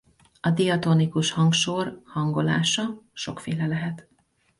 A diatonikus hangsor hangolása sokféle lehet.